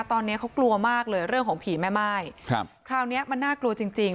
ตอนนี้เขากลัวมากเลยเรื่องของผีแม่ไม้คราวนี้มันน่ากลัวจริง